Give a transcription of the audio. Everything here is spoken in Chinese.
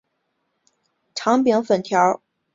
长柄粉条儿菜为百合科粉条儿菜属下的一个种。